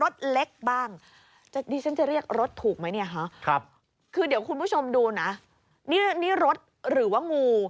ต้องชมดูนะนี่รถหรือว่างู